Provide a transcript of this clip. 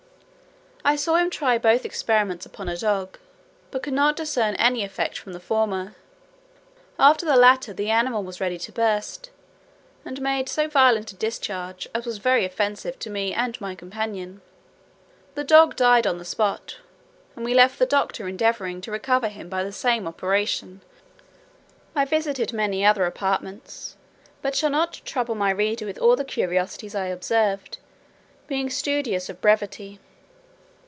I saw him try both experiments upon a dog, but could not discern any effect from the former. After the latter the animal was ready to burst, and made so violent a discharge as was very offensive to me and my companions. The dog died on the spot, and we left the doctor endeavouring to recover him, by the same operation. I visited many other apartments, but shall not trouble my reader with all the curiosities I observed, being studious of brevity.